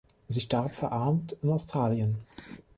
Sie starb verarmt in Australien.